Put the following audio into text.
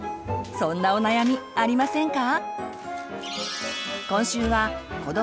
そんなお悩みありませんか？